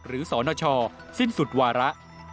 หรือสชสิ้นสุดวาระ